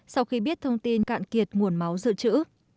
sau khi biết thông tin cạn kiệt nguồn máu dự trữ